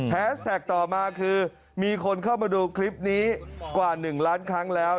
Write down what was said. แสกต่อมาคือมีคนเข้ามาดูคลิปนี้กว่า๑ล้านครั้งแล้ว